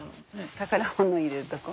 宝物入れるところ？